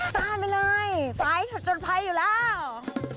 ดาวไม่ได้สายชะชนภัยอยู่แล้ว